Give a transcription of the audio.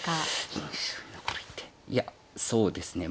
いやそうですね